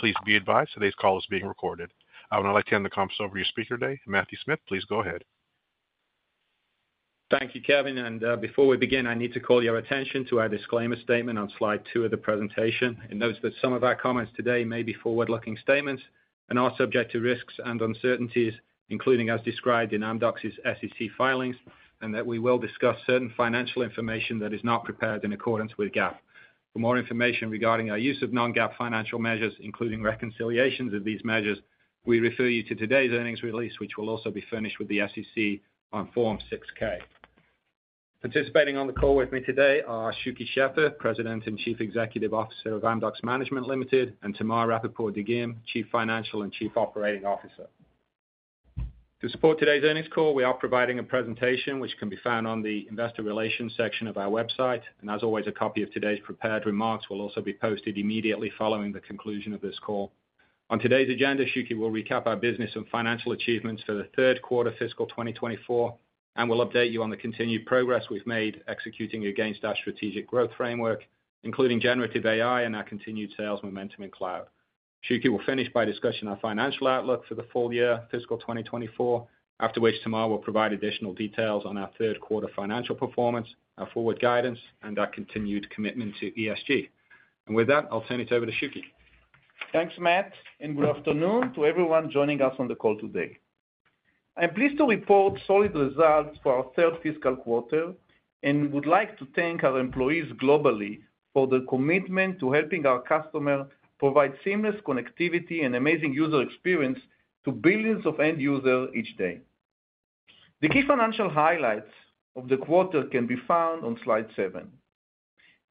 Please be advised, today's call is being recorded. I would now like to hand the conference over to your speaker today, Matthew Smith. Please go ahead. Thank you, Kevin. Before we begin, I need to call your attention to our disclaimer statement on slide 2 of the presentation. It notes that some of our comments today may be forward-looking statements and are subject to risks and uncertainties, including, as described in Amdocs's SEC filings, and that we will discuss certain financial information that is not prepared in accordance with GAAP. For more information regarding our use of non-GAAP financial measures, including reconciliations of these measures, we refer you to today's earnings release, which will also be furnished with the SEC on Form 6K. Participating on the call with me today are Shuky Sheffer, President and Chief Executive Officer of Amdocs Management Limited, and Tamar Rapaport-Dagim, Chief Financial and Chief Operating Officer. To support today's earnings call, we are providing a presentation which can be found on the Investor Relations section of our website. And as always, a copy of today's prepared remarks will also be posted immediately following the conclusion of this call. On today's agenda, Shuky will recap our business and financial achievements for the third quarter fiscal 2024, and will update you on the continued progress we've made executing against our strategic growth framework, including generative AI and our continued sales momentum in cloud. Shuky will finish by discussing our financial outlook for the full year, fiscal 2024, after which Tamar will provide additional details on our third quarter financial performance, our forward guidance, and our continued commitment to ESG. And with that, I'll turn it over to Shuky. Thanks, Matt, and good afternoon to everyone joining us on the call today. I'm pleased to report solid results for our third fiscal quarter, and we'd like to thank our employees globally for their commitment to helping our customers provide seamless connectivity and amazing user experience to billions of end users each day. The key financial highlights of the quarter can be found on slide 7.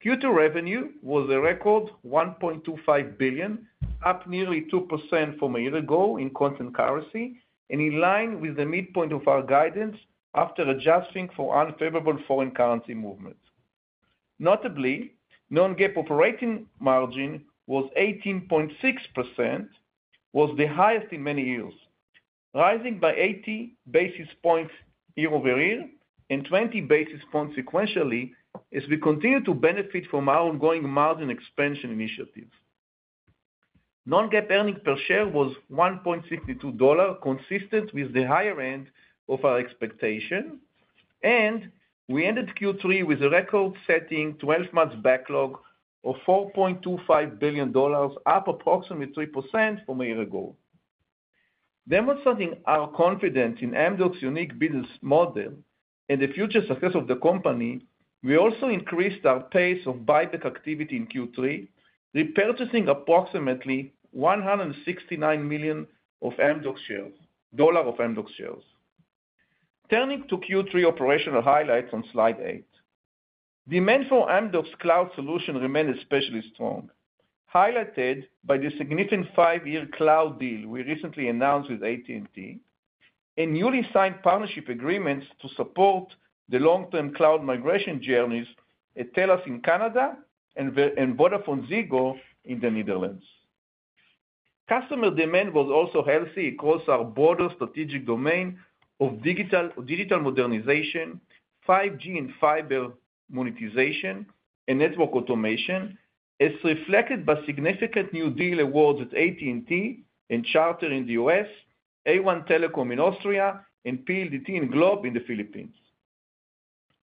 Q2 revenue was a record $1.25 billion, up nearly 2% from a year ago in constant currency, and in line with the midpoint of our guidance after adjusting for unfavorable foreign currency movements. Notably, non-GAAP operating margin was 18.6%, which was the highest in many years, rising by 80 basis points year-over-year and 20 basis points sequentially as we continue to benefit from our ongoing margin expansion initiatives. Non-GAAP earnings per share was $1.62, consistent with the higher end of our expectation, and we ended Q3 with a record-setting 12-month backlog of $4.25 billion, up approximately 3% from a year ago. Demonstrating our confidence in Amdocs' unique business model and the future success of the company, we also increased our pace of buyback activity in Q3, repurchasing approximately $169 million of Amdocs shares. Turning to Q3 operational highlights on slide eight, demand for Amdocs' cloud solution remained especially strong, highlighted by the significant five-year cloud deal we recently announced with AT&T and newly signed partnership agreements to support the long-term cloud migration journeys at TELUS in Canada and VodafoneZiggo in the Netherlands. Customer demand was also healthy across our broader strategic domain of digital modernization, 5G and fiber monetization, and network automation, as reflected by significant new deal awards at AT&T and Charter in the U.S., A1 Telekom in Austria, and PLDT and Globe in the Philippines.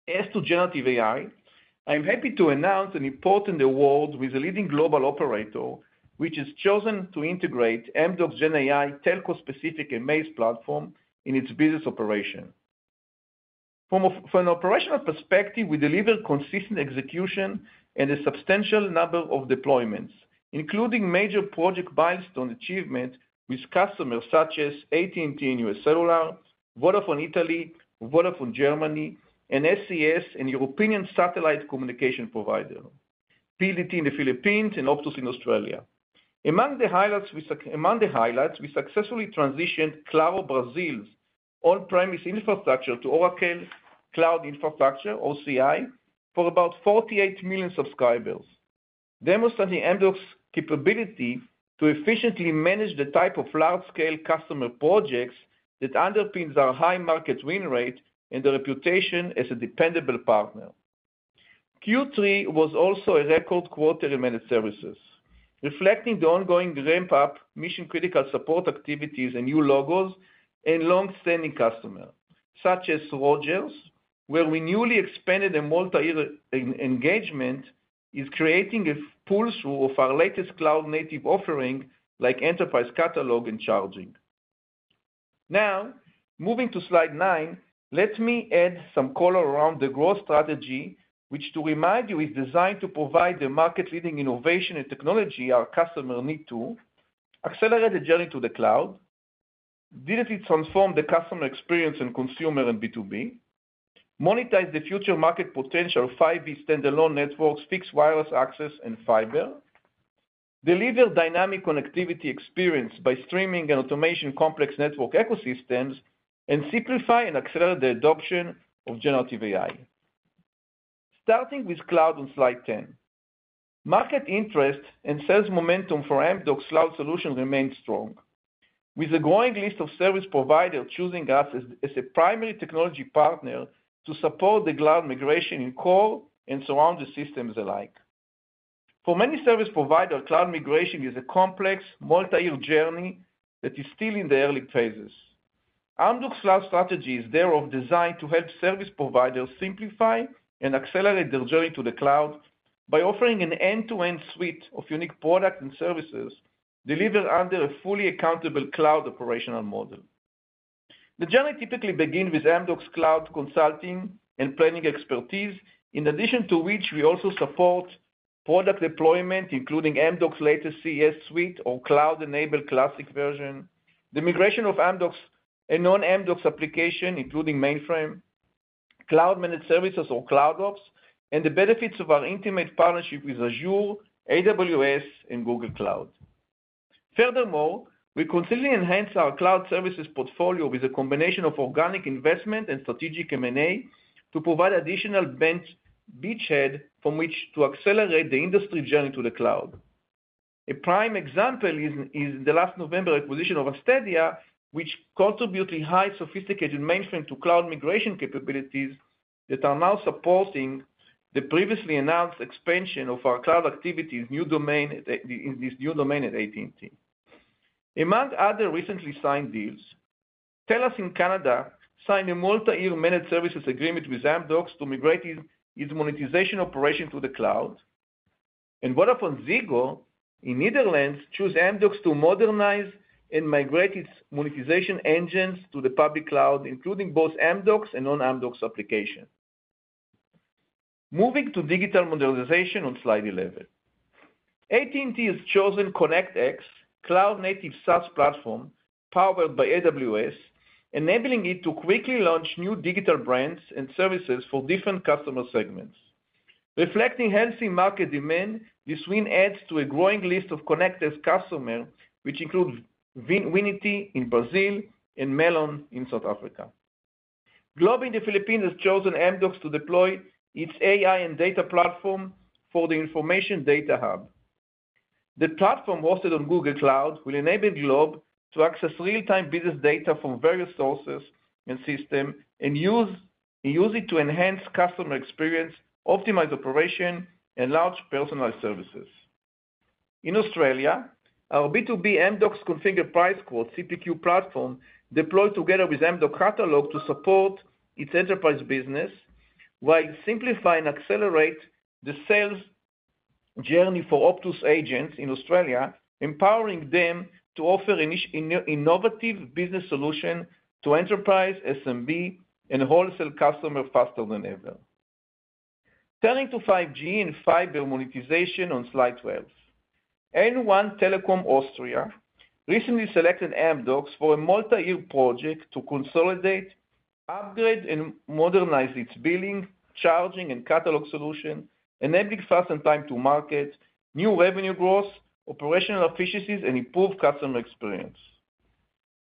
As to generative AI, I'm happy to announce an important award with a leading global operator, which has chosen to integrate Amdocs GenAI telco-specific and amAIz Platform in its business operation. From an operational perspective, we deliver consistent execution and a substantial number of deployments, including major project milestone achievements with customers such as AT&T and UScellular, Vodafone Italy, Vodafone Germany, and SES, a European satellite communications provider, PLDT in the Philippines, and Optus in Australia. Among the highlights, we successfully transitioned Claro Brasil's on-premise infrastructure to Oracle Cloud Infrastructure, OCI, for about 48 million subscribers, demonstrating Amdocs' capability to efficiently manage the type of large-scale customer projects that underpins our high market win rate and the reputation as a dependable partner. Q3 was also a record quarter in many services, reflecting the ongoing ramp-up, mission-critical support activities, and new logos and long-standing customers, such as Rogers, where we newly expanded a multi-year engagement, creating a pull-through of our latest cloud-native offering like Enterprise Catalog and Charging. Now, moving to slide 9, let me add some color around the growth strategy, which, to remind you, is designed to provide the market-leading innovation and technology our customers need to accelerate the journey to the cloud, digitally transform the customer experience and consumer and B2B, monetize the future market potential of 5G standalone networks, fixed wireless access, and fiber, deliver dynamic connectivity experience by streaming and automation of complex network ecosystems, and simplify and accelerate the adoption of generative AI. Starting with cloud on slide 10, market interest and sales momentum for Amdocs' cloud solution remained strong, with a growing list of service providers choosing us as a primary technology partner to support the cloud migration in core and surrounding systems alike. For many service providers, cloud migration is a complex, multi-year journey that is still in the early phases. Amdocs' cloud strategy is therefore designed to help service providers simplify and accelerate their journey to the cloud by offering an end-to-end suite of unique products and services delivered under a fully accountable cloud operational model. The journey typically begins with Amdocs' cloud consulting and planning expertise, in addition to which we also support product deployment, including Amdocs' latest CES suite or cloud-enabled classic version, the migration of Amdocs and non-Amdocs applications, including mainframe, cloud-managed services or CloudOps, and the benefits of our intimate partnership with Azure, AWS, and Google Cloud. Furthermore, we continually enhance our cloud services portfolio with a combination of organic investment and strategic M&A to provide additional beachhead from which to accelerate the industry journey to the cloud. A prime example is the last November acquisition of Astadia, which contributed highly sophisticated mainframe to cloud migration capabilities that are now supporting the previously announced expansion of our cloud activity in this new domain at AT&T. Among other recently signed deals, TELUS in Canada signed a multi-year managed services agreement with Amdocs to migrate its monetization operation to the cloud, and VodafoneZiggo in the Netherlands chose Amdocs to modernize and migrate its monetization engines to the public cloud, including both Amdocs and non-Amdocs applications. Moving to digital modernization on slide 11, AT&T has chosen ConnectX, a cloud-native SaaS Platform powered by AWS, enabling it to quickly launch new digital brands and services for different customer segments. Reflecting healthy market demand, this win adds to a growing list of ConnectX customers, which include Winity in Brazil and Melon in South Africa. Globe in the Philippines has chosen Amdocs to deploy its AI and data platform for the information data hub. The platform hosted on Google Cloud will enable Globe to access real-time business data from various sources and systems and use it to enhance customer experience, optimize operation, and launch personalized services. In Australia, our B2B Amdocs Configure Price Quote CPQ platform deployed together with Amdocs Catalog to support its enterprise business, while simplifying and accelerating the sales journey for Optus agents in Australia, empowering them to offer innovative business solutions to enterprise, SMB, and wholesale customers faster than ever. Turning to 5G and fiber monetization on slide 12, A1 Telekom Austria recently selected Amdocs for a multi-year project to consolidate, upgrade, and modernize its billing, charging, and catalog solution, enabling fast and time-to-market, new revenue growth, operational efficiencies, and improved customer experience.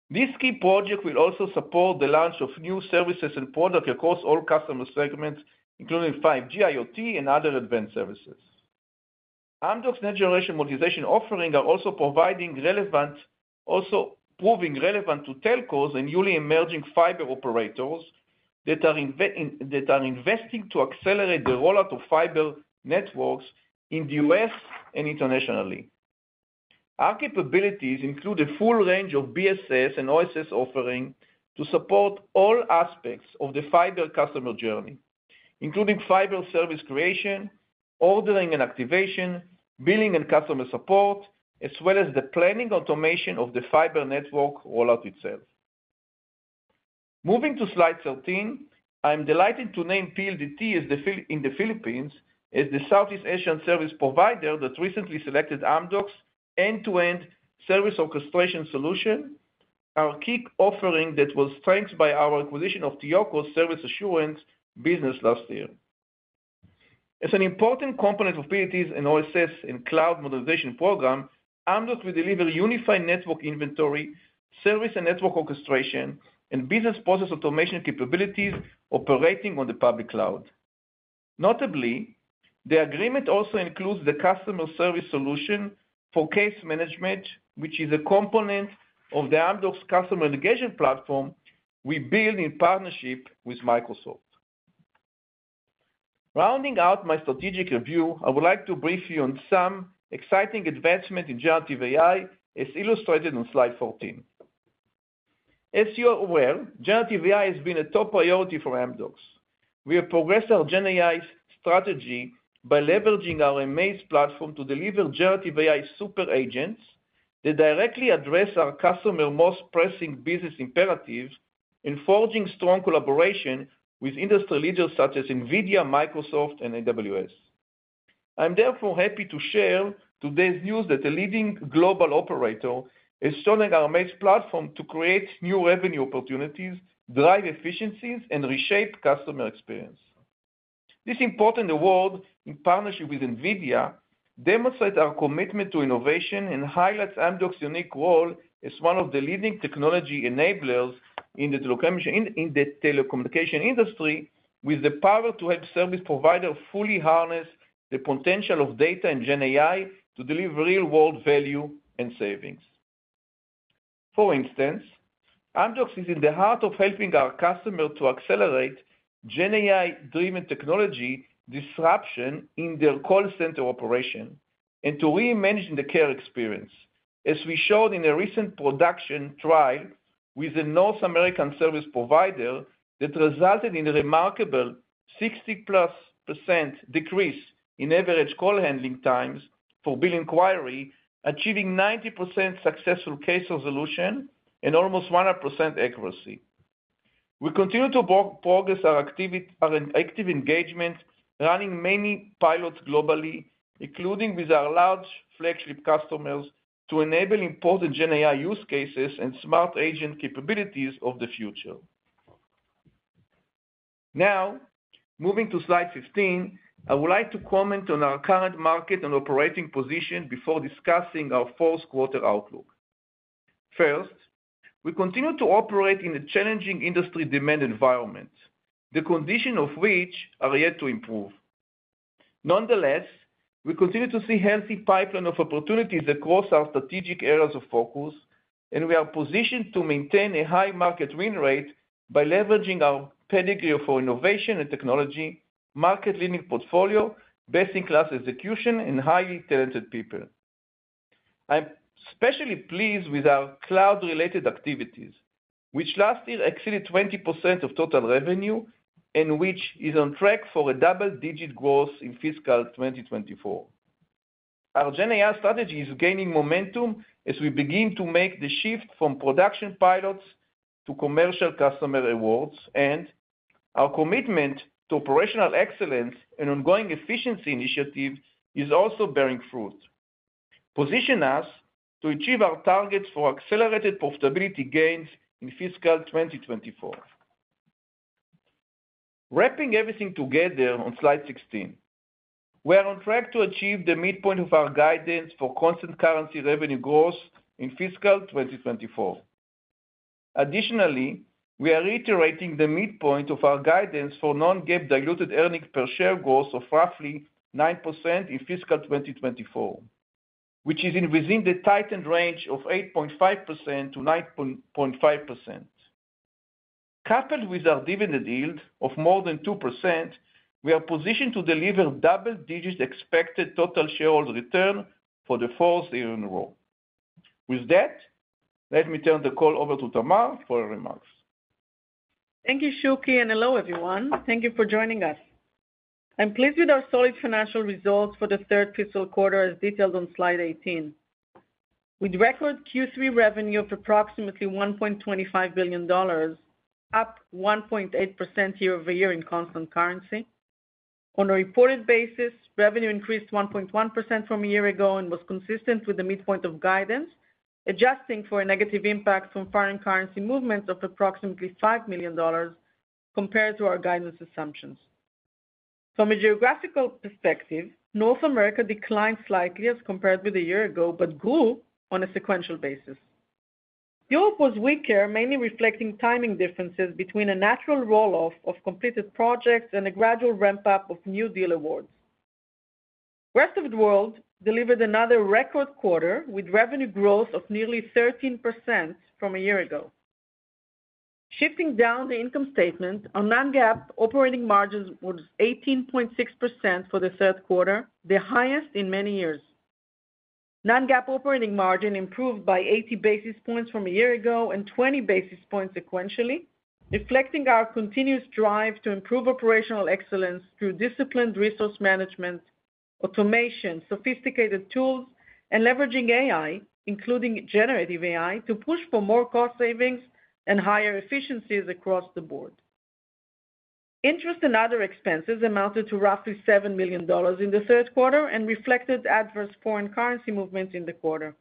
This key project will also support the launch of new services and products across all customer segments, including 5G, IoT, and other advanced services. Amdocs' next-generation monetization offerings are also providing relevant, also proving relevant to telcos and newly emerging fiber operators that are investing to accelerate the rollout of fiber networks in the U.S. and internationally. Our capabilities include a full range of BSS and OSS offerings to support all aspects of the fiber customer journey, including fiber service creation, ordering and activation, billing and customer support, as well as the planning automation of the fiber network rollout itself. Moving to slide 13, I'm delighted to name PLDT in the Philippines as the Southeast Asian service provider that recently selected Amdocs' end-to-end service orchestration solution, our key offering that was strengthened by our acquisition of TEOCO's service assurance business last year. As an important component of PLDT's OSS and cloud modernization program, Amdocs will deliver unified network inventory, service and network orchestration, and business process automation capabilities operating on the public cloud. Notably, the agreement also includes the customer service solution for case management, which is a component of the Amdocs customer experience platform we built in partnership with Microsoft. Rounding out my strategic review, I would like to brief you on some exciting advancements in generative AI, as illustrated on slide 14. As you are aware, generative AI has been a top priority for Amdocs. We have progressed our GenAI strategy by leveraging our amAIz Platform to deliver generative AI super agents that directly address our customer's most pressing business imperatives and forge strong collaboration with industry leaders such as NVIDIA, Microsoft, and AWS. I'm therefore happy to share today's news that a leading global operator is sharing our amAIz Platform to create new revenue opportunities, drive efficiencies, and reshape customer experience. This important award, in partnership with NVIDIA, demonstrates our commitment to innovation and highlights Amdocs' unique role as one of the leading technology enablers in the telecommunication industry, with the power to help service providers fully harness the potential of data and GenAI to deliver real-world value and savings. For instance, Amdocs is in the heart of helping our customers to accelerate GenAI-driven technology disruption in their call center operation and to reimagine the care experience, as we showed in a recent production trial with a North American service provider that resulted in a remarkable 60+% decrease in average call handling times for bill inquiries, achieving 90% successful case resolution and almost 100% accuracy. We continue to progress our active engagement, running many pilots globally, including with our large flagship customers, to enable important GenAI use cases and smart agent capabilities of the future. Now, moving to slide 15, I would like to comment on our current market and operating position before discussing our fourth quarter outlook. First, we continue to operate in a challenging industry demand environment, the conditions of which are yet to improve. Nonetheless, we continue to see a healthy pipeline of opportunities across our strategic areas of focus, and we are positioned to maintain a high market win rate by leveraging our pedigree of our innovation and technology, market-leading portfolio, best-in-class execution, and highly talented people. I'm especially pleased with our cloud-related activities, which last year exceeded 20% of total revenue and which is on track for a double-digit growth in fiscal 2024. Our GenAI strategy is gaining momentum as we begin to make the shift from production pilots to commercial customer awards, and our commitment to operational excellence and ongoing efficiency initiatives is also bearing fruit, positioning us to achieve our targets for accelerated profitability gains in fiscal 2024. Wrapping everything together on slide 16, we are on track to achieve the midpoint of our guidance for constant currency revenue growth in fiscal 2024. Additionally, we are reiterating the midpoint of our guidance for non-GAAP diluted earnings per share growth of roughly 9% in fiscal 2024, which is within the tightened range of 8.5%-9.5%. Coupled with our dividend yield of more than 2%, we are positioned to deliver double-digit expected total shareholder return for the fourth year in a row. With that, let me turn the call over to Tamar for her remarks. Thank you, Shuky, and hello, everyone. Thank you for joining us. I'm pleased with our solid financial results for the third fiscal quarter, as detailed on slide 18, with record Q3 revenue of approximately $1.25 billion, up 1.8% year-over-year in constant currency. On a reported basis, revenue increased 1.1% from a year ago and was consistent with the midpoint of guidance, adjusting for a negative impact from foreign currency movements of approximately $5 million compared to our guidance assumptions. From a geographical perspective, North America declined slightly as compared with a year ago, but grew on a sequential basis. Europe was weaker, mainly reflecting timing differences between a natural roll-off of completed projects and a gradual ramp-up of new deal awards. The rest of the world delivered another record quarter with revenue growth of nearly 13% from a year ago. Shifting down the income statement, our non-GAAP operating margins were 18.6% for the third quarter, the highest in many years. Non-GAAP operating margin improved by 80 basis points from a year ago and 20 basis points sequentially, reflecting our continuous drive to improve operational excellence through disciplined resource management, automation, sophisticated tools, and leveraging AI, including generative AI, to push for more cost savings and higher efficiencies across the board. Interest and other expenses amounted to roughly $7 million in the third quarter and reflected adverse foreign currency movements in the quarter.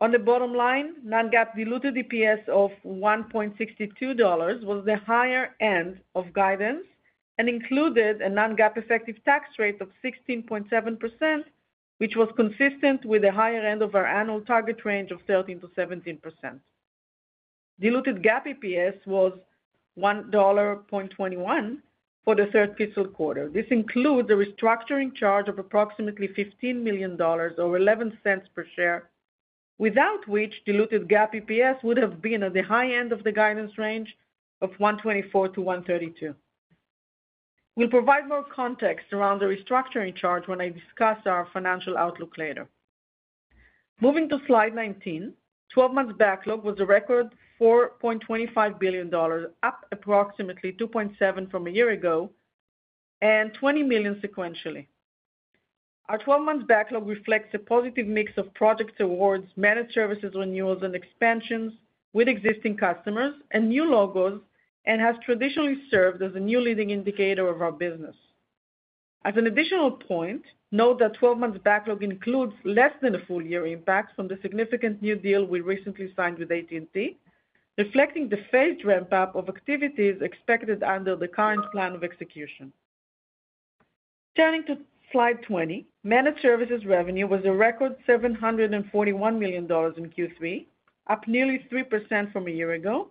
On the bottom line, non-GAAP diluted EPS of $1.62 was the higher end of guidance and included a non-GAAP effective tax rate of 16.7%, which was consistent with the higher end of our annual target range of 13%-17%. Diluted GAAP EPS was $1.21 for the third fiscal quarter. This includes a restructuring charge of approximately $15 million or $0.11 per share, without which diluted GAAP EPS would have been at the high end of the guidance range of $124-$132. We'll provide more context around the restructuring charge when I discuss our financial outlook later. Moving to slide 19, 12-month backlog was a record $4.25 billion, up approximately 2.7% from a year ago, and $20 million sequentially. Our 12-month backlog reflects a positive mix of project awards, managed services renewals, and expansions with existing customers and new logos, and has traditionally served as a new leading indicator of our business. As an additional point, note that 12-month backlog includes less than a full year impact from the significant new deal we recently signed with AT&T, reflecting the phased ramp-up of activities expected under the current plan of execution. Turning to slide 20, managed services revenue was a record $741 million in Q3, up nearly 3% from a year ago,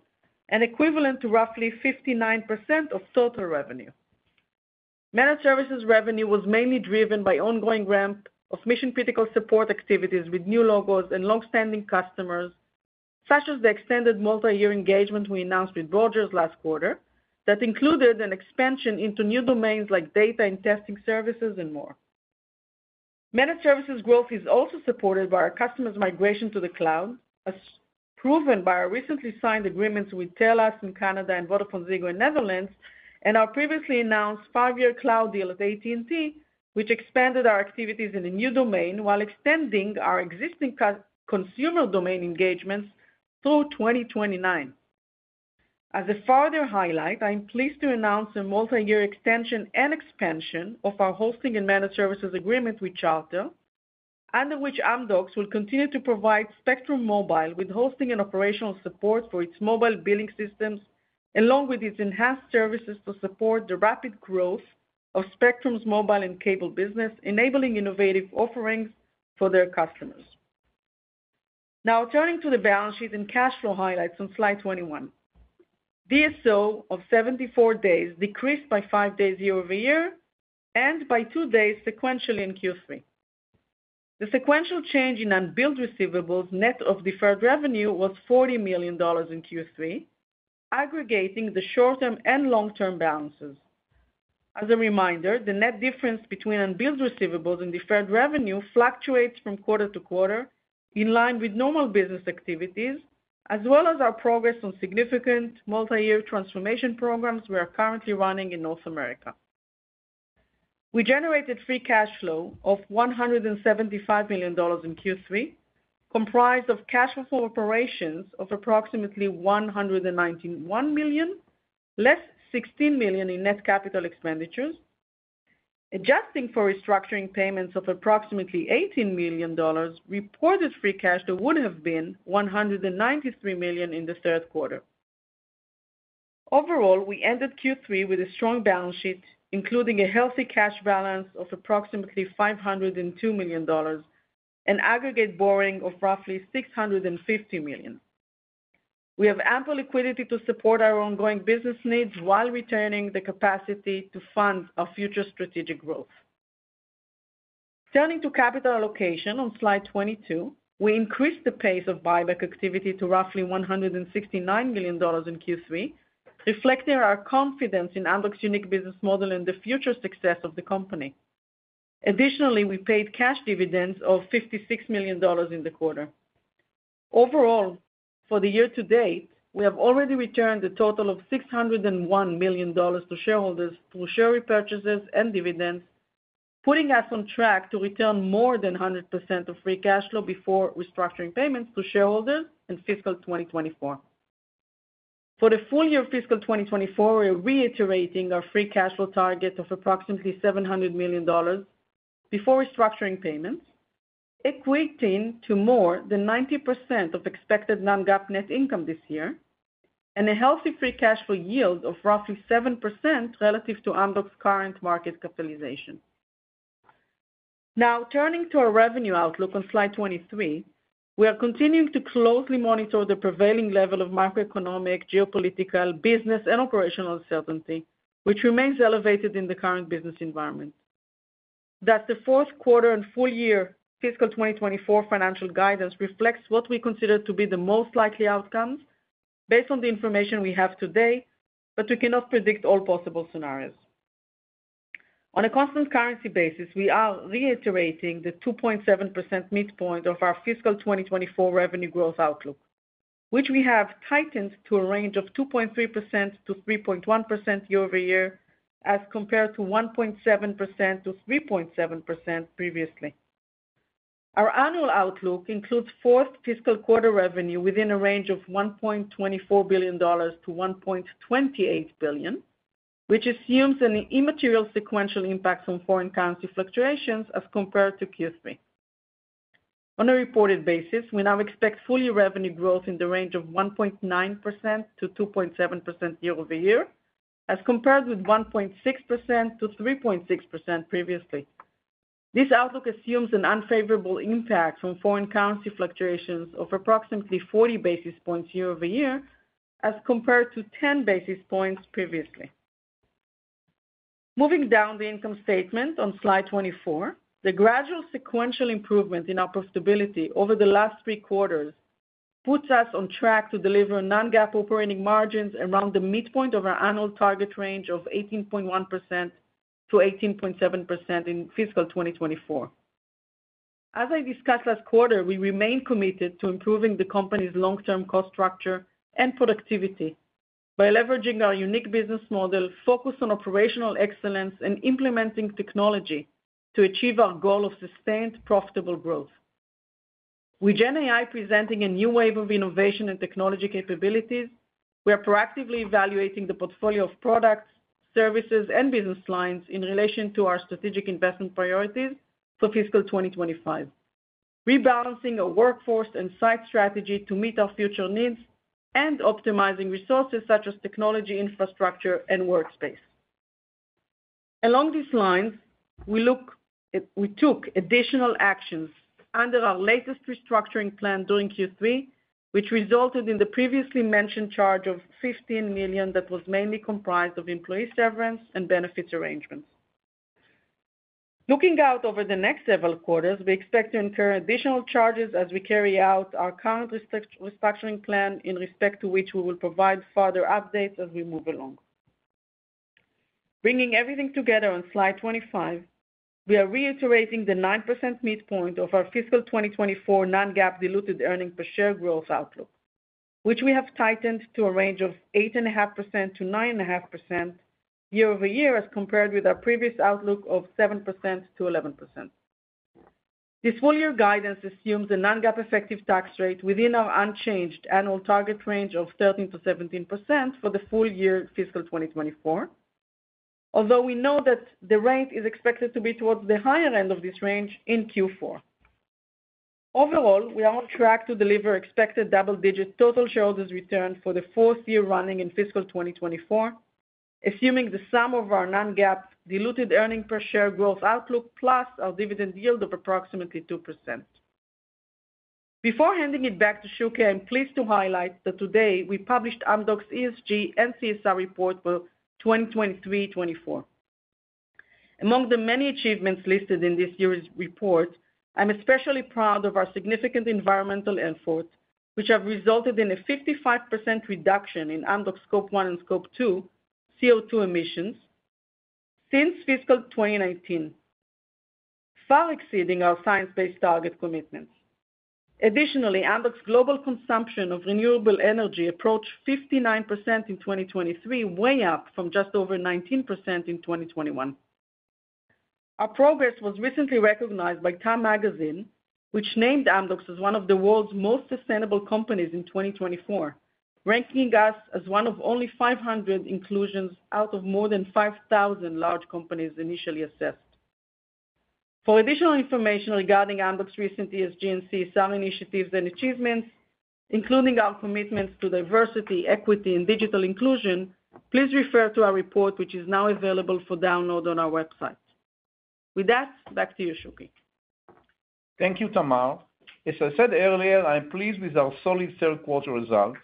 and equivalent to roughly 59% of total revenue. Managed services revenue was mainly driven by ongoing ramp of mission-critical support activities with new logos and long-standing customers, such as the extended multi-year engagement we announced with Rogers last quarter that included an expansion into new domains like data and testing services and more. Managed services growth is also supported by our customers' migration to the cloud, as proven by our recently signed agreements with TELUS in Canada and VodafoneZiggo in the Netherlands, and our previously announced 5-year cloud deal with AT&T, which expanded our activities in a new domain while extending our existing consumer domain engagements through 2029. As a further highlight, I'm pleased to announce a multi-year extension and expansion of our hosting and managed services agreement with Charter, under which Amdocs will continue to provide Spectrum Mobile with hosting and operational support for its mobile billing systems, along with its enhanced services to support the rapid growth of Spectrum's mobile and cable business, enabling innovative offerings for their customers. Now, turning to the balance sheet and cash flow highlights on slide 21, VSO of 74 days decreased by 5 days year-over-year and by 2 days sequentially in Q3. The sequential change in unbilled receivables net of deferred revenue was $40 million in Q3, aggregating the short-term and long-term balances. As a reminder, the net difference between unbilled receivables and deferred revenue fluctuates from quarter to quarter in line with normal business activities, as well as our progress on significant multi-year transformation programs we are currently running in North America. We generated free cash flow of $175 million in Q3, comprised of cash flow operations of approximately $191 million, less $16 million in net capital expenditures, adjusting for restructuring payments of approximately $18 million. Reported free cash flow would have been $193 million in the third quarter. Overall, we ended Q3 with a strong balance sheet, including a healthy cash balance of approximately $502 million and aggregate borrowing of roughly $650 million. We have ample liquidity to support our ongoing business needs while returning the capacity to fund our future strategic growth. Turning to capital allocation on slide 22, we increased the pace of buyback activity to roughly $169 million in Q3, reflecting our confidence in Amdocs' unique business model and the future success of the company. Additionally, we paid cash dividends of $56 million in the quarter. Overall, for the year to date, we have already returned a total of $601 million to shareholders through share repurchases and dividends, putting us on track to return more than 100% of free cash flow before restructuring payments to shareholders in fiscal 2024. For the full year of fiscal 2024, we're reiterating our free cash flow target of approximately $700 million before restructuring payments, equating to more than 90% of expected non-GAAP net income this year, and a healthy free cash flow yield of roughly 7% relative to Amdocs' current market capitalization. Now, turning to our revenue outlook on slide 23, we are continuing to closely monitor the prevailing level of macroeconomic, geopolitical, business, and operational uncertainty, which remains elevated in the current business environment. That the fourth quarter and full year fiscal 2024 financial guidance reflects what we consider to be the most likely outcomes based on the information we have today, but we cannot predict all possible scenarios. On a constant currency basis, we are reiterating the 2.7% midpoint of our fiscal 2024 revenue growth outlook, which we have tightened to a range of 2.3%-3.1% year-over-year as compared to 1.7%-3.7% previously. Our annual outlook includes fourth fiscal quarter revenue within a range of $1.24 billion-$1.28 billion, which assumes an immaterial sequential impact from foreign currency fluctuations as compared to Q3. On a reported basis, we now expect full-year revenue growth in the range of 1.9%-2.7% year-over-year as compared with 1.6%-3.6% previously. This outlook assumes an unfavorable impact from foreign currency fluctuations of approximately 40 basis points year-over-year as compared to 10 basis points previously. Moving down the income statement on slide 24, the gradual sequential improvement in our profitability over the last three quarters puts us on track to deliver non-GAAP operating margins around the midpoint of our annual target range of 18.1%-18.7% in fiscal 2024. As I discussed last quarter, we remain committed to improving the company's long-term cost structure and productivity by leveraging our unique business model, focus on operational excellence, and implementing technology to achieve our goal of sustained profitable growth. With GenAI presenting a new wave of innovation and technology capabilities, we are proactively evaluating the portfolio of products, services, and business lines in relation to our strategic investment priorities for fiscal 2025, rebalancing our workforce and site strategy to meet our future needs and optimizing resources such as technology, infrastructure, and workspace. Along these lines, we took additional actions under our latest restructuring plan during Q3, which resulted in the previously mentioned charge of $15 million that was mainly comprised of employee severance and benefits arrangements. Looking out over the next several quarters, we expect to incur additional charges as we carry out our current restructuring plan, in respect to which we will provide further updates as we move along. Bringing everything together on slide 25, we are reiterating the 9% midpoint of our fiscal 2024 non-GAAP diluted earnings per share growth outlook, which we have tightened to a range of 8.5% to 9.5% year-over-year as compared with our previous outlook of 7% to 11%. This full-year guidance assumes a non-GAAP effective tax rate within our unchanged annual target range of 13% to 17% for the full year fiscal 2024, although we know that the range is expected to be towards the higher end of this range in Q4. Overall, we are on track to deliver expected double-digit total shareholders' return for the fourth year running in fiscal 2024, assuming the sum of our non-GAAP diluted earnings per share growth outlook plus our dividend yield of approximately 2%. Before handing it back to Shuky, I'm pleased to highlight that today we published Amdocs ESG and CSR report for 2023-2024. Among the many achievements listed in this year's report, I'm especially proud of our significant environmental efforts, which have resulted in a 55% reduction in Amdocs Scope 1 and Scope 2 CO2 emissions since fiscal 2019, far exceeding our science-based target commitments. Additionally, Amdocs' global consumption of renewable energy approached 59% in 2023, way up from just over 19% in 2021. Our progress was recently recognized by TIM Magazine, which named Amdocs as one of the world's most sustainable companies in 2024, ranking us as one of only 500 inclusions out of more than 5,000 large companies initially assessed. For additional information regarding Amdocs' recent ESG and CSR initiatives and achievements, including our commitments to diversity, equity, and digital inclusion, please refer to our report, which is now available for download on our website. With that, back to you, Shuky. Thank you, Tamar. As I said earlier, I'm pleased with our solid third-quarter results.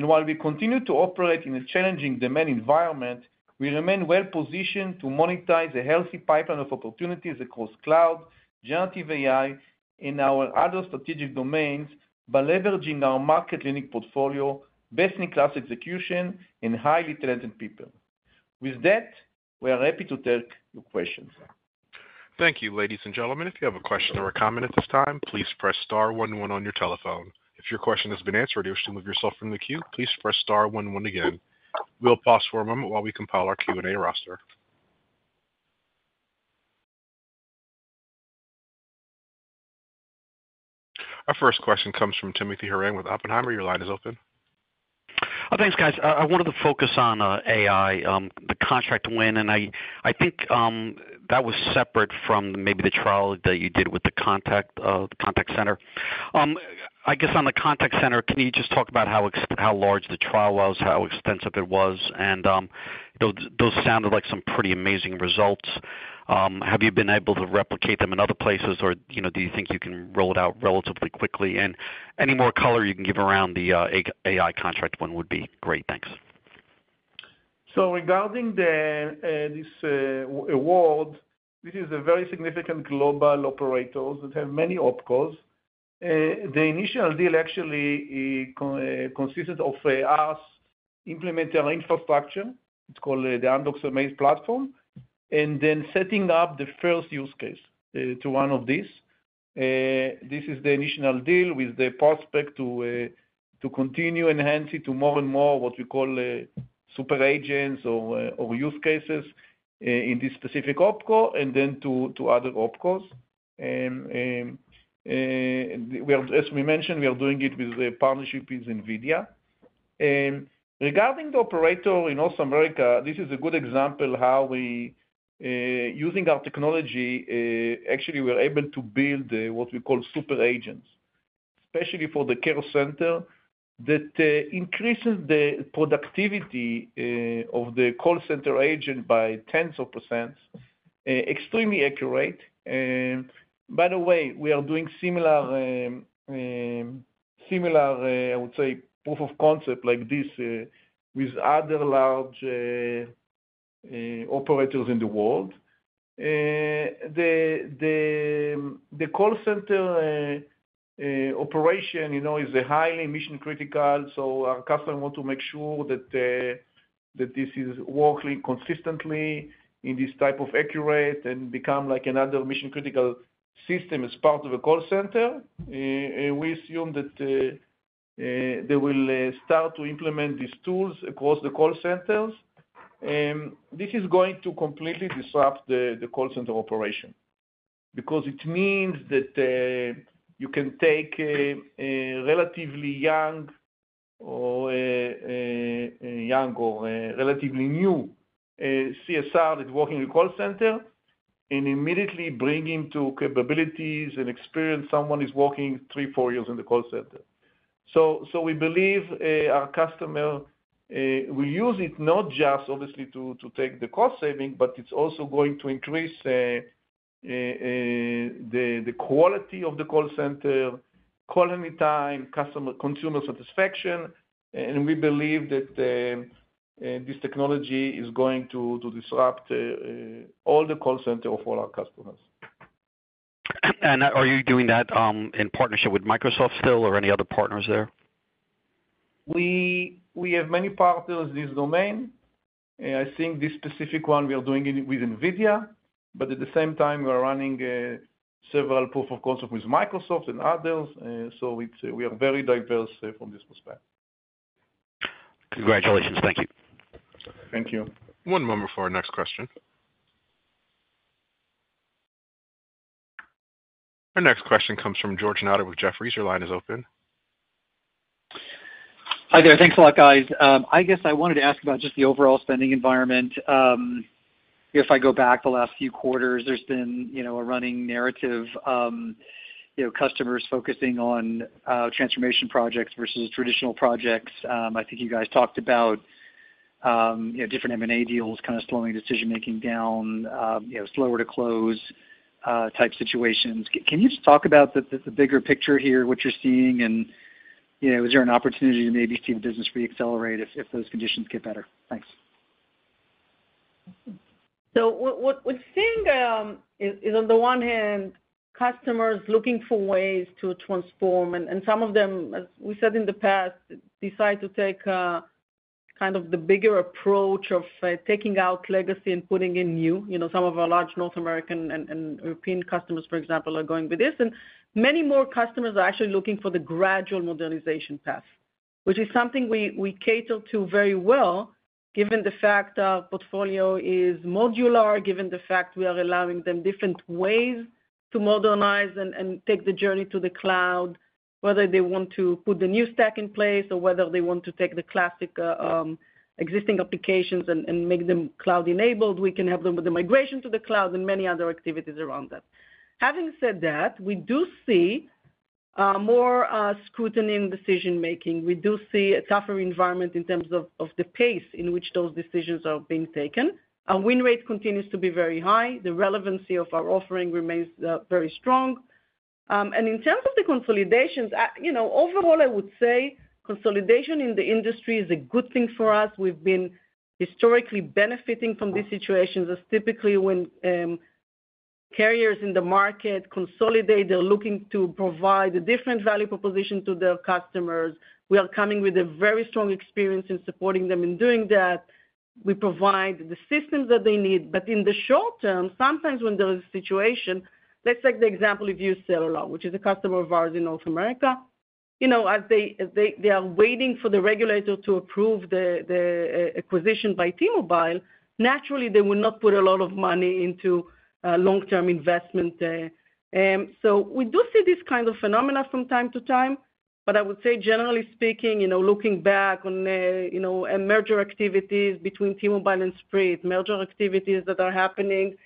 And while we continue to operate in a challenging demand environment, we remain well-positioned to monetize a healthy pipeline of opportunities across cloud, generative AI, and our other strategic domains, by leveraging our market-leaning portfolio, best-in-class execution, and highly talented people. With that, we are happy to take your questions. Thank you, ladies and gentlemen. If you have a question or a comment at this time, please press star one one on your telephone. If your question has been answered or you wish to move yourself from the queue, please press star one one again. We'll pause for a moment while we compile our Q&A roster. Our first question comes from Timothy Horan with Oppenheimer. Your line is open. Oh, thanks, guys. I wanted to focus on AI, the contract win, and I think that was separate from maybe the trial that you did with the contact center. I guess on the contact center, can you just talk about how large the trial was, how extensive it was, and those sounded like some pretty amazing results? Have you been able to replicate them in other places, or do you think you can roll it out relatively quickly? And any more color you can give around the AI contract win would be great. Thanks. So regarding this award, this is a very significant global operator that has many OpCos. The initial deal actually consisted of us implementing our infrastructure. It's called the Amdocs amAIz platform, and then setting up the first use case to run of this. This is the initial deal with the prospect to continue enhancing to more and more what we call super agents or use cases in this specific opCo, and then to other OpCos. As we mentioned, we are doing it with the partnership with NVIDIA. Regarding the operator in North America, this is a good example of how we, using our technology, actually were able to build what we call super agents, especially for the care center, that increases the productivity of the call center agent by tens of %, extremely accurate. By the way, we are doing similar, I would say, proof of concept like this with other large operators in the world. The call center operation is highly mission-critical, so our customers want to make sure that this is working consistently in this type of accurate and become like another mission-critical system as part of a call center. We assume that they will start to implement these tools across the call centers. This is going to completely disrupt the call center operation because it means that you can take a relatively young or relatively new CSR that's working in the call center and immediately bring into capabilities and experience someone who is working 3-4 years in the call center. So we believe our customer will use it not just, obviously, to take the cost saving, but it's also going to increase the quality of the call center, calling time, customer consumer satisfaction. We believe that this technology is going to disrupt all the call centers of all our customers. And are you doing that in partnership with Microsoft still or any other partners there? We have many partners in this domain.I think this specific one we are doing with NVIDIA, but at the same time, we are running several proof of concepts with Microsoft and others. So we are very diverse from this perspective. Congratulations. Thank you. Thank you. One moment for our next question. Our next question comes from George Notter with Jefferies. Your line is open. Hi there. Thanks a lot, guys. I guess I wanted to ask about just the overall spending environment. If I go back the last few quarters, there's been a running narrative of customers focusing on transformation projects versus traditional projects. I think you guys talked about different M&A deals kind of slowing decision-making down, slower-to-close type situations. Can you just talk about the bigger picture here, what you're seeing, and is there an opportunity to maybe see the business re-accelerate if those conditions get better? Thanks. So what we're seeing is, on the one hand, customers looking for ways to transform, and some of them, as we said in the past, decide to take kind of the bigger approach of taking out legacy and putting in new. Some of our large North American and European customers, for example, are going with this, and many more customers are actually looking for the gradual modernization path, which is something we cater to very well, given the fact our portfolio is modular, given the fact we are allowing them different ways to modernize and take the journey to the cloud, whether they want to put the new stack in place or whether they want to take the classic existing applications and make them cloud-enabled. We can help them with the migration to the cloud and many other activities around that. Having said that, we do see more scrutiny in decision-making. We do see a tougher environment in terms of the pace in which those decisions are being taken. Our win rate continues to be very high. The relevancy of our offering remains very strong. In terms of the consolidations, overall, I would say consolidation in the industry is a good thing for us. We've been historically benefiting from these situations as typically when carriers in the market consolidate, they're looking to provide a different value proposition to their customers. We are coming with a very strong experience in supporting them in doing that. We provide the systems that they need, but in the short term, sometimes when there's a situation, let's take the example of UScellular, which is a customer of ours in North America. You know, as they are waiting for the regulator to approve the acquisition by T-Mobile, naturally, they will not put a lot of money into long-term investment. So we do see this kind of phenomena from time to time, but I would say, generally speaking, looking back on merger activities between T-Mobile and Sprint, merger activities that are happening,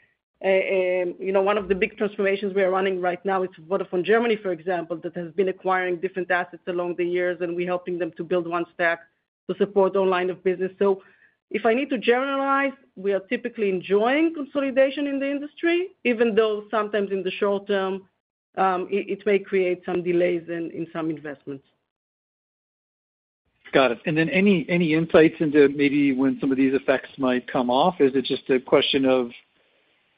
one of the big transformations we are running right now is Vodafone Germany, for example, that has been acquiring different assets along the years, and we're helping them to build one stack to support the whole line of business. So if I need to generalize, we are typically enjoying consolidation in the industry, even though sometimes in the short term, it may create some delays in some investments. Got it. And then any insights into maybe when some of these effects might come off? Is it just a question of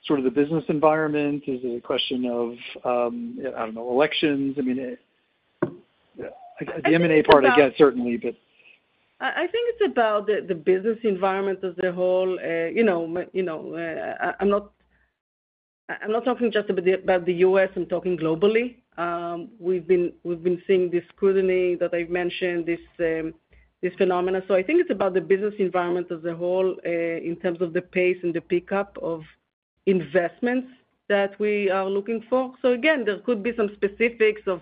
sort of the business environment? Is it a question of, I don't know, elections? I mean, the M&A part, I guess, certainly, but. I think it's about the business environment as a whole. I'm not talking just about the U.S. I'm talking globally. We've been seeing this scrutiny that I've mentioned, this phenomenon. So I think it's about the business environment as a whole in terms of the pace and the pickup of investments that we are looking for. So again, there could be some specifics of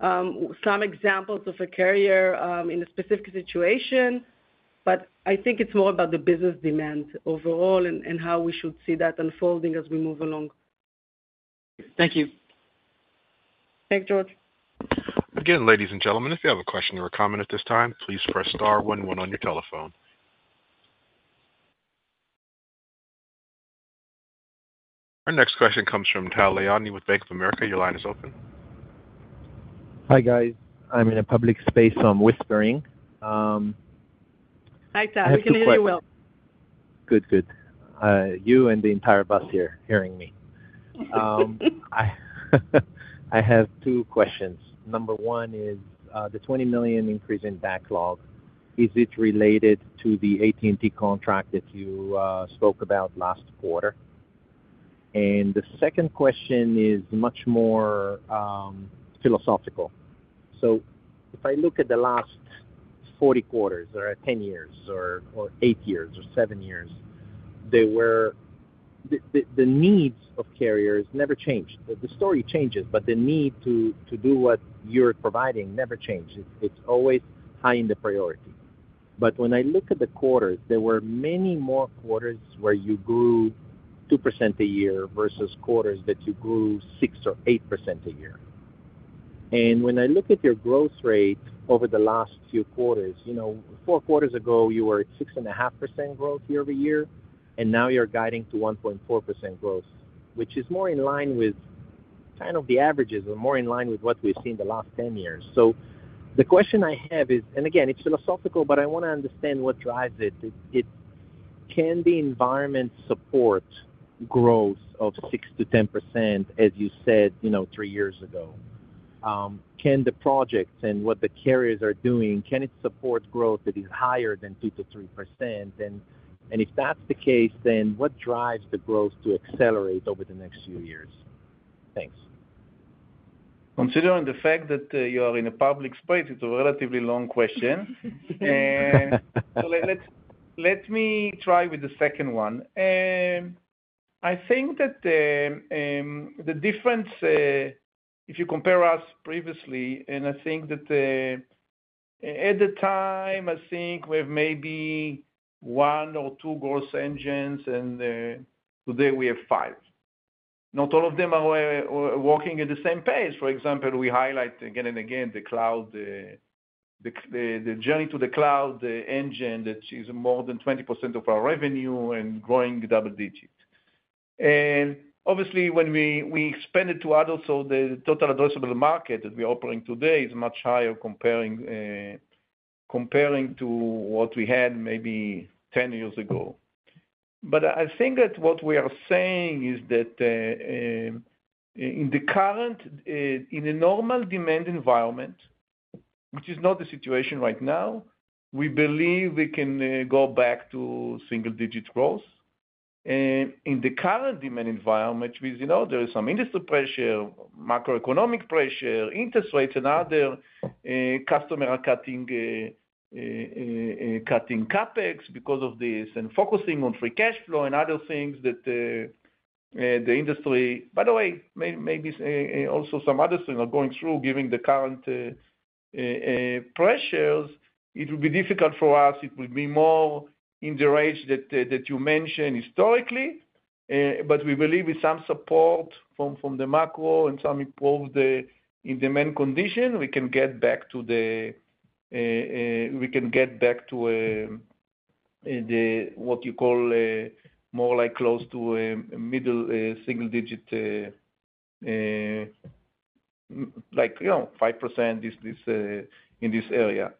some examples of a carrier in a specific situation, but I think it's more about the business demand overall and how we should see that unfolding as we move along. Thank you. Thanks, George. Again, ladies and gentlemen, if you have a question or a comment at this time, please press star one one on your telephone. Our next question comes from Tal Liani with Bank of America. Your line is open. Hi, guys. I'm in a public space. I'm whispering. Hi, Tal. Can you hear me well? Good, good. You and the entire bus here hearing me. I have two questions. Number one is the $20 million increase in backlog. Is it related to the AT&T contract that you spoke about last quarter? And the second question is much more philosophical. So if I look at the last 40 quarters or 10 years or 8 years or 7 years, the needs of carriers never changed. The story changes, but the need to do what you're providing never changed. It's always high in the priority. But when I look at the quarters, there were many more quarters where you grew 2% a year versus quarters that you grew 6% or 8% a year. When I look at your growth rate over the last few quarters, four quarters ago, you were at 6.5% growth year-over-year, and now you're guiding to 1.4% growth, which is more in line with kind of the averages and more in line with what we've seen the last 10 years. The question I have is, and again, it's philosophical, but I want to understand what drives it. Can the environment support growth of 6%-10%, as you said three years ago? Can the projects and what the carriers are doing, can it support growth that is higher than 2%-3%? And if that's the case, then what drives the growth to accelerate over the next few years? Thanks. Considering the fact that you are in a public space, it's a relatively long question. Let me try with the second one. I think that the difference, if you compare us previously, and I think that at the time, I think we have maybe one or two growth engines, and today we have five. Not all of them are working at the same pace. For example, we highlight again and again the cloud, the journey to the cloud engine that is more than 20% of our revenue and growing double digits. And obviously, when we expanded to others, so the total addressable market that we are operating today is much higher comparing to what we had maybe 10 years ago. But I think that what we are saying is that in the normal demand environment, which is not the situation right now, we believe we can go back to single-digit growth. In the current demand environment, there is some industry pressure, macroeconomic pressure, interest rates, and other customers are cutting CapEx because of this and focusing on free cash flow and other things that the industry, by the way, maybe also some other things are going through given the current pressures. It will be difficult for us. It will be more in the range that you mentioned historically, but we believe with some support from the macro and some improved demand condition, we can get back to the we can get back to what you call more like close to middle single-digit, like 5% in this area.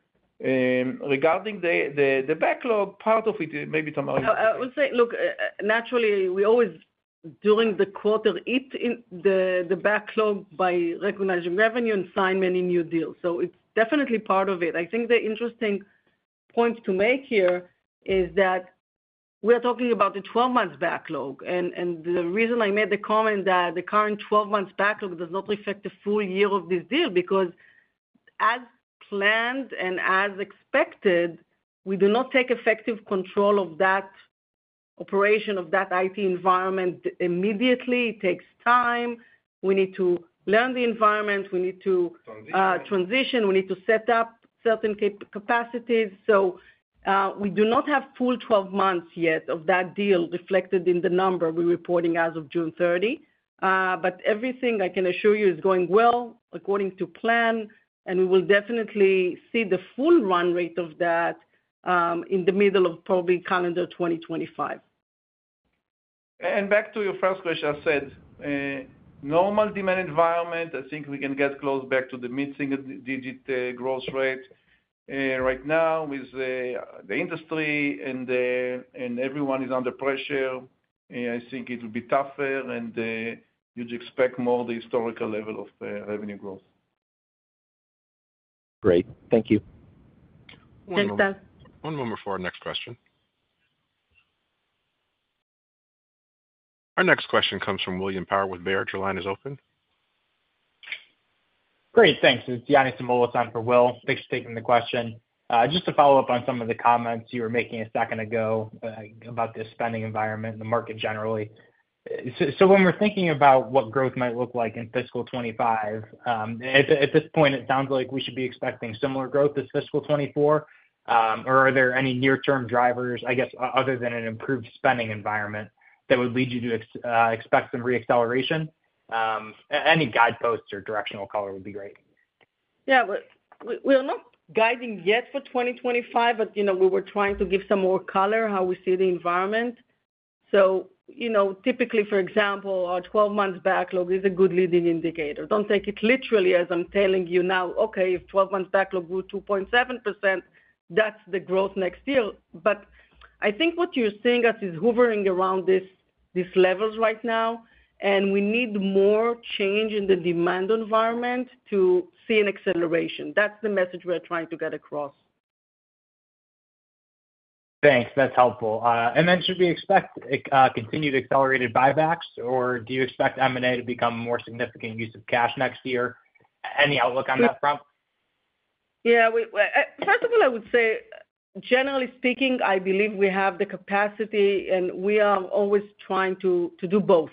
Regarding the backlog, part of it maybe Tal. I would say, look, naturally, we always during the quarter, it's in the backlog by recognizing revenue and sign many new deals. So it's definitely part of it. I think the interesting point to make here is that we are talking about the 12-month backlog. The reason I made the comment that the current 12-month backlog does not reflect the full year of this deal because as planned and as expected, we do not take effective control of that operation of that IT environment immediately. It takes time. We need to learn the environment. We need to transition. We need to set up certain capacities. We do not have full 12 months yet of that deal reflected in the number we're reporting as of June 30. Everything I can assure you is going well according to plan, and we will definitely see the full run rate of that in the middle of probably calendar 2025. Back to your first question, I said normal demand environment, I think we can get close back to the mid-single-digit growth rate right now with the industry and everyone is under pressure. I think it will be tougher and you'd expect more of the historical level of revenue growth. Great. Thank you. Thanks, Tal. One moment for our next question. Our next question comes from William Power with Baird. Line is open. Great. Thanks. It's Yanni Samoilis for Will. Thanks for taking the question. Just to follow up on some of the comments you were making a second ago about this spending environment and the market generally. When we're thinking about what growth might look like in fiscal 2025, at this point, it sounds like we should be expecting similar growth as fiscal 2024. Or are there any near-term drivers, I guess, other than an improved spending environment that would lead you to expect some re-acceleration? Any guideposts or directional color would be great. Yeah. We're not guiding yet for 2025, but we were trying to give some more color how we see the environment. So typically, for example, our 12-month backlog is a good leading indicator. Don't take it literally as I'm telling you now, okay, if 12-month backlog grew 2.7%, that's the growth next year. But I think what you're seeing us is hovering around these levels right now, and we need more change in the demand environment to see an acceleration. That's the message we're trying to get across. Thanks. That's helpful. And then should we expect continued accelerated buybacks, or do you expect M&A to become more significant use of cash next year? Any outlook on that front? Yeah. First of all, I would say, generally speaking, I believe we have the capacity, and we are always trying to do both.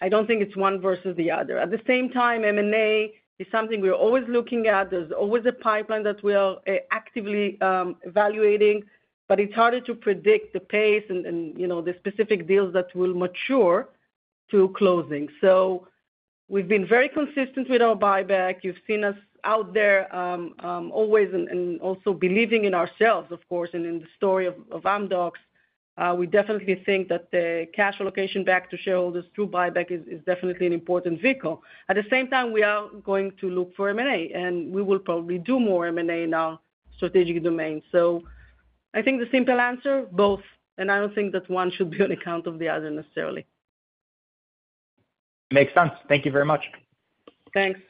I don't think it's one versus the other. At the same time, M&A is something we're always looking at. There's always a pipeline that we are actively evaluating, but it's harder to predict the pace and the specific deals that will mature to closing. So we've been very consistent with our buyback. You've seen us out there always and also believing in ourselves, of course, and in the story of Amdocs. We definitely think that the cash allocation back to shareholders through buyback is definitely an important vehicle. At the same time, we are going to look for M&A, and we will probably do more M&A in our strategic domain. So, I think the simple answer, both, and I don't think that one should be on account of the other necessarily. Makes sense. Thank you very much. Thanks.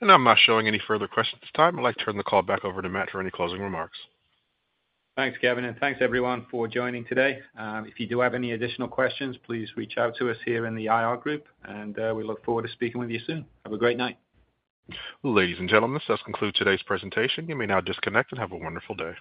And I'm not showing any further questions this time. I'd like to turn the call back over to Matt for any closing remarks. Thanks, Kevin, and thanks everyone for joining today. If you do have any additional questions, please reach out to us here in the IR group, and we look forward to speaking with you soon. Have a great night. Ladies and gentlemen, this does conclude today's presentation. You may now disconnect and have a wonderful day.